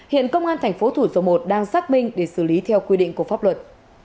hiện công an thành phố thủ dộ một đang xác binh để xử lý theo quy định của pháp luật